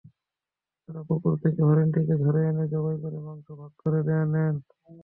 তাঁরা পুকুর থেকে হরিণটিকে ধরে এনে জবাই করে মাংস ভাগ করে নেন।